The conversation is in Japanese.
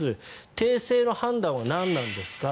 訂正の判断は何なんですか？